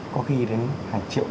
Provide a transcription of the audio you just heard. có khi đến hàng triệu lần